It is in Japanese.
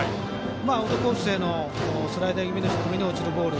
アウトコースへのスライダー気味の低めに落ちるボール。